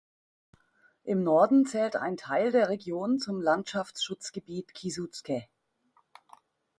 Im Norden zählt ein Teil der Region zum Landschaftsschutzgebiet Kysuce.